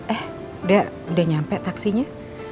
eh udah nyampe taksinya